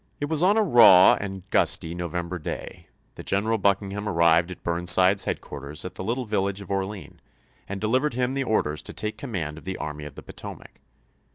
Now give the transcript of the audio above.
TT was on a raw and gusty November day that JL General Buckingham arrived at Burnside's headquarters at the little village of Orlean, and delivered him the orders to take command of the Army of the Potomac.